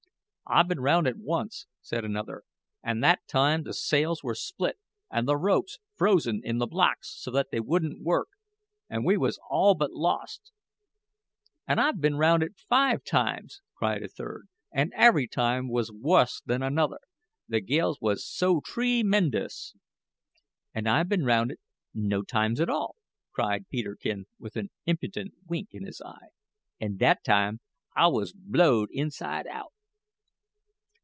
"I've been round it once," said another; "an' that time the sails were split, and the ropes frozen in the blocks so that they wouldn't work, and we wos all but lost." "An' I've been round it five times," cried a third; "an' every time wos wuss than another, the gales wos so tree mendous!" "And I've been round it, no times at all," cried Peterkin with an impudent wink in his eye, "an' that time I wos blow'd inside out!"